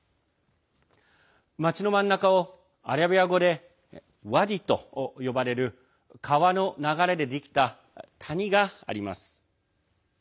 町の真ん中をアラビア語でワディと呼ばれる川の流れでできた谷があります。